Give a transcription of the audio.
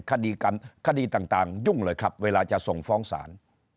คดีต่างยุ่งเลยครับเวลาจะส่งฟ้องศาล